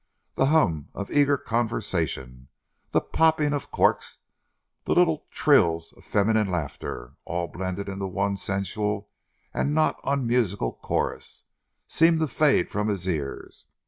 The hum of eager conversation, the popping of corks, the little trills of feminine laughter, all blended into one sensual and not unmusical chorus, seemed to fade from his ears.